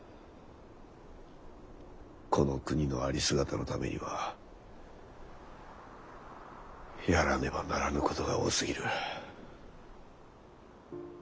この国のありすがたのためにはやらねばならぬことが多すぎる。